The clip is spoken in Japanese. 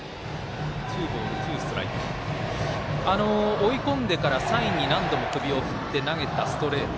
追い込んでからサインに何度も首を振って投げたストレート。